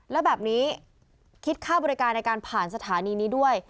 แล้วแบบนี้คิดค่าบริการในการผ่านสถานีนี้ด้วย